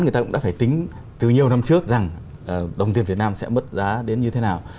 người ta cũng đã phải tính từ nhiều năm trước rằng đồng tiền việt nam sẽ mất giá đến như thế nào